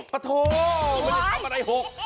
ปะโถไม่ได้ทำอะไรหก